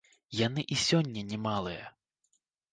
Яны і сёння не малыя.